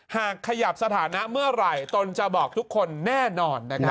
หากขยับสถานะเมื่อไหร่ตนจะบอกทุกคนแน่นอน